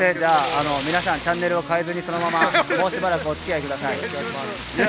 皆さんチャンネルを変えずにもうしばらくお付き合いください。